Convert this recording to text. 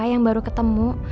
yang baru ketemu